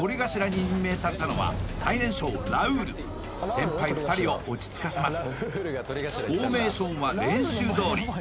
先輩２人を落ち着かせます